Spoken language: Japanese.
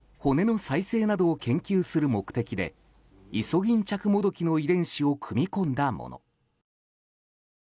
ひれや骨の再生などを研究する目的でイソギンチャクモドキの遺伝子を組み込んだもの。